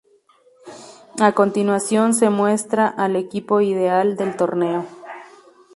A continuación se muestra al "Equipo ideal" del torneo.